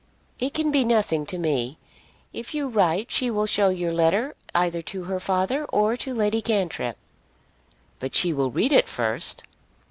"It can be nothing to me. If you write she will show your letter either to her father or to Lady Cantrip." "But she will read it first."